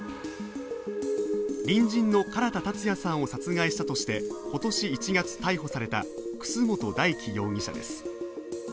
隣人の唐田健也さんを殺害したとして、今年１月、逮捕された楠本大樹容疑者です。